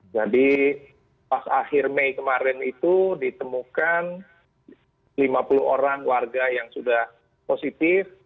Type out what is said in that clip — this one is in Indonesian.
jadi pas akhir mei kemarin itu ditemukan lima puluh orang warga yang sudah positif